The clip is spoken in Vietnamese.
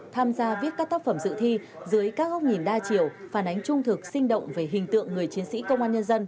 tham gia viết các tác phẩm dự thi dưới các góc nhìn đa chiều phản ánh trung thực sinh động về hình tượng người chiến sĩ công an nhân dân